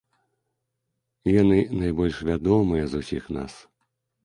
Яны найбольш вядомыя з усіх нас.